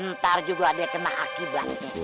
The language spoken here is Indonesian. ntar juga ada yang kena akibatnya